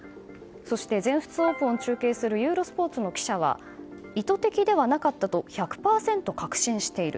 そして、全仏オープンを中継するユーロスポーツの記者は意図的ではなかったと１００％確信している。